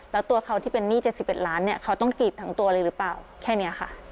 แล้วตัวเขาที่เป็นหนี้๗๑ล้านเนี่ยเขาต้องกรีบทั้งตัวเลยหรือเปล่าแค่นี้ค่ะ